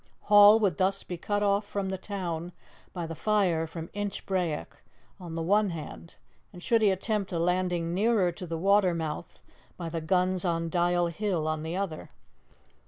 Hall would thus be cut off from the town by the fire from Inchbrayock, on the one hand, and, should he attempt a landing nearer to the watermouth, by the guns on Dial Hill, on the other.